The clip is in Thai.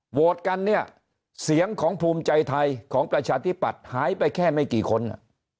โหวตกันเนี่ยเสียงของภูมิใจไทยของประชาธิปัตย์หายไปแค่ไม่กี่คน